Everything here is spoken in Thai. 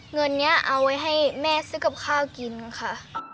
เงินนี้เอาไว้ให้แม่ซื้อกับข้าวกินค่ะ